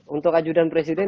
untuk ajudan presiden